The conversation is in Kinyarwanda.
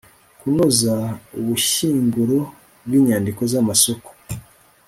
kunoza ubushyinguro bw inyandiko z amasoko